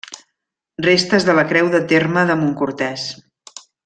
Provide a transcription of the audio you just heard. Restes de la creu de terme de Montcortès.